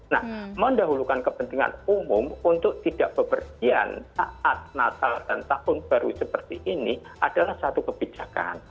nah mendahulukan kepentingan umum untuk tidak bepergian saat natal dan tahun baru seperti ini adalah satu kebijakan